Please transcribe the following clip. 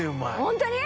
ホントに？